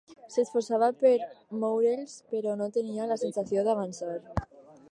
S'esforçava per moure'ls però no tenia la sensació d'avançar.